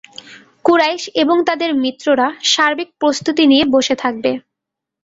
কুরাইশ এবং তাদের মিত্ররা সার্বিক প্রস্তুতি নিয়ে বসে থাকবে।